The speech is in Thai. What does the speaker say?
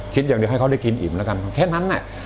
คิดอย่างเดียวให้เขาได้กินอิ่มแล้วกันแค่นั้นน่ะ